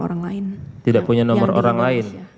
orang lain tidak punya nomor orang lain